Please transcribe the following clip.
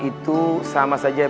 itu sama saja